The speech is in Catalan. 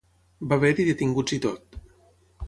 Va haver-hi detinguts i tot.